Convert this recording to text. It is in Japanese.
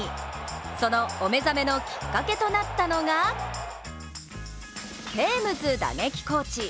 そのお目覚めのきっかけとなったのがテームズ打撃コーチ。